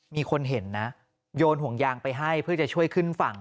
มีคนเห็นนะโยนห่วงยางไปให้เพื่อจะช่วยขึ้นฝั่ง